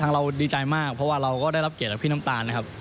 เราดีใจมากเพราะว่าเราก็ได้รับเกียรติจากพี่น้ำตาลนะครับ